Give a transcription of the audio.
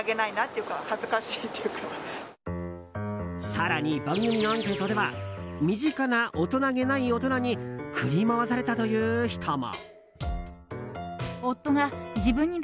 更に、番組のアンケートでは身近な大人げない大人に振り回されたという人も。